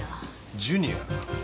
ジュニア？